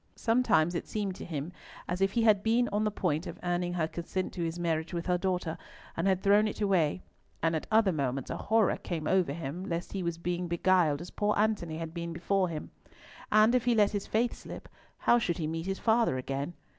Sometimes it seemed to him as if he had been on the point of earning her consent to his marriage with her daughter, and had thrown it away, and at other moments a horror came over him lest he was being beguiled as poor Antony had been before him. And if he let his faith slip, how should he meet his father again?